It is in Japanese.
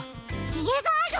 ひげがある。